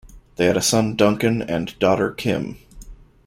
They had a son Duncan and daughter Kim.